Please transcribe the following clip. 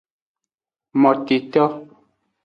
Moteto.